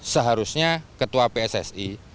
seharusnya ketua pssi